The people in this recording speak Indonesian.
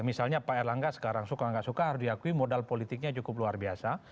misalnya pak erlangga sekarang suka nggak suka harus diakui modal politiknya cukup luar biasa